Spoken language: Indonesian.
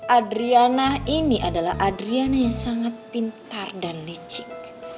adriana ini adalah adriana yang sangat pintar dan licik